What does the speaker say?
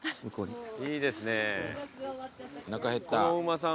いいですね。